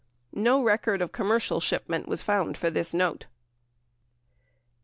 No record of commercial shipment was found for this note.